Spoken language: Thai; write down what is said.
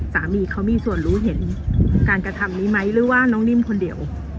สามีเขามีส่วนรู้เห็นการกระทำนี้ไหมหรือว่าน้องนิ่มคนเดียว